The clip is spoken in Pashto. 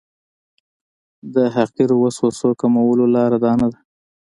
د حقیرو وسوسو کمولو لاره دا نه ده.